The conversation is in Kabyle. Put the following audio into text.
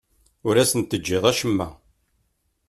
Ur asen-teǧǧiḍ acemma.